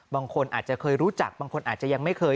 บางคนอาจจะเคยรู้จักบางคนอาจจะยังไม่เคย